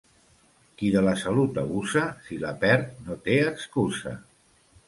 Qui de la salut abusa, si la perd no té excusa.